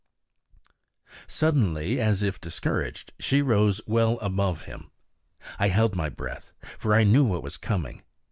Suddenly, as if discouraged, she rose well above him. I held my breath, for I knew what was coming.